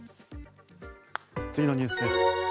次のニュースです。